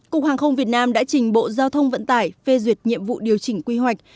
cục hàng không việt nam đã trình bộ giao thông vận tải phê duyệt nhiệm vụ điều chỉnh quy hoạch